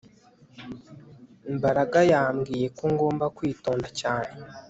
Mbaraga yambwiye ko ngomba kwitonda cyane